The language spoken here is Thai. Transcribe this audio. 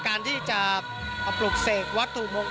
การเดินทางปลอดภัยทุกครั้งในฝั่งสิทธิ์ที่หนูนะคะ